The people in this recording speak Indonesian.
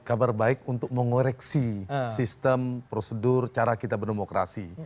kabar baik untuk mengoreksi sistem prosedur cara kita berdemokrasi